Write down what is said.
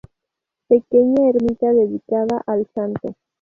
Pequeña ermita dedicada al santo.